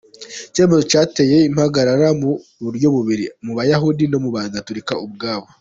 Iki cyemezo cyateje impagarara mu buryo bubiri : mu bayahudi no mu bagatolika ubwabo.